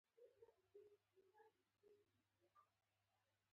د طیارې سرعت کولی شي د غږ سرعت ته ورسېږي.